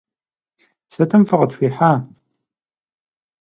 Сытым фыкъытхуихьа?